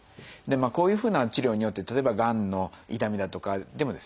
こういうふうな治療によって例えばがんの痛みだとかでもですね